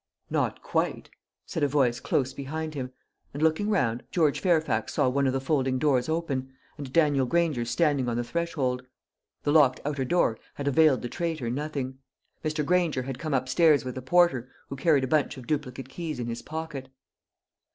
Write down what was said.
"Not quite," said a voice close behind him; and looking round, George Fairfax saw one of the folding doors open, and Daniel Granger standing on the threshold. The locked outer door had availed the traitor nothing. Mr. Granger had come upstairs with the porter, who carried a bunch of duplicate keys in his pocket.